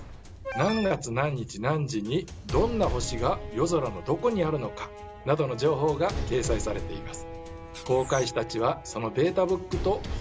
「何月何日何時にどんな星が夜空のどこにあるのか」などの情報が掲載されています。